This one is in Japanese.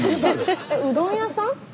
うどん屋さん？